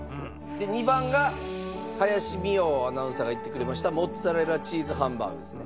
２番が林美桜アナウンサーが行ってくれましたモッツァレラチーズハンバーグですね。